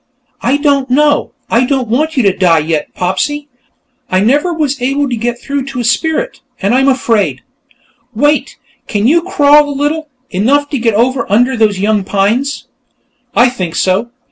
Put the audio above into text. "I don't know. I don't want you to die yet, Popsy. I never was able to get through to a spirit, and I'm afraid.... Wait! Can you crawl a little? Enough to get over under those young pines?" "I think so."